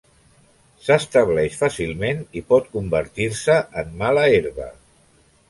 S'estableix fàcilment i pot convertir-se en mala herba.